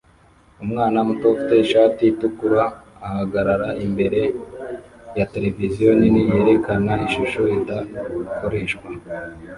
Umwana muto ufite ishati itukura ahagarara imbere ya televiziyo nini yerekana ishusho idakoreshwa